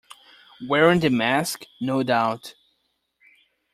Wearing the mask, no doubt.